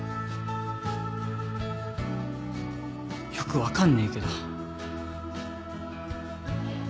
よく分かんねえけど。